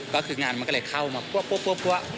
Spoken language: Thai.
ก็คืองานมันก็เลยเข้ามาปั๊ว